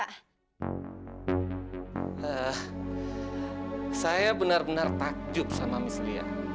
eh saya benar benar takjub sama miss lia